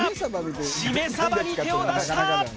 しめサバに手を出した！